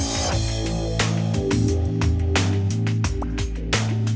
ชื่อฟอยแต่ไม่ใช่แฟง